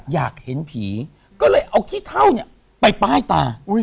อยากเห็นผีก็เลยเอาขี้เท่าเนี่ยไปป้ายตา